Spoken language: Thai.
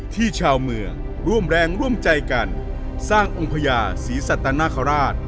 ชาวเมืองร่วมแรงร่วมใจกันสร้างองค์พญาศรีสัตนคราช